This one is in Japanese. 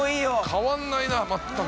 変わんないな全く。